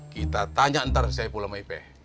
kita tanya ntar saya pula sama ipeh